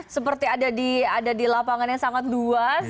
seperti ada di lapangan yang sangat luas